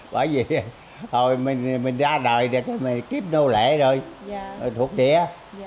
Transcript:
bởi vì hồi mình ra đời rồi mình kiếp nô lệ rồi thuộc địa